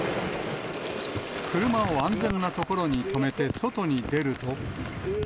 車を安全な所に止めて外に出ると。